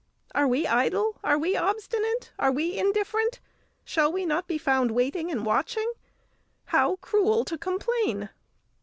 Are we idle? Are we obstinate? Are we indifferent? Shall we not be found waiting and watching? How cruel to complain!"